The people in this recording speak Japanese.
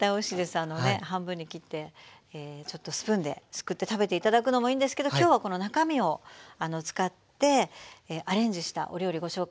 半分に切ってちょっとスプーンですくって食べて頂くのもいいんですけど今日はこの中身を使ってアレンジしたお料理ご紹介しますので。